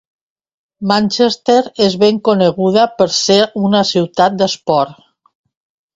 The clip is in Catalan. Manchester és ben coneguda per ser una ciutat d'esport.